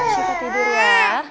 suka tidur ya